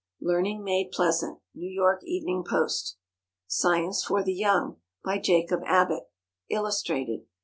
"Learning made pleasant." N. Y. EVENING POST. SCIENCE FOR THE YOUNG. By JACOB ABBOTT. _ILLUSTRATED.